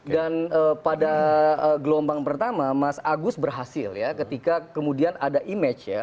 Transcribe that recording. dan pada gelombang pertama mas agus berhasil ya ketika kemudian ada image ya